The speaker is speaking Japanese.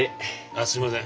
すいません。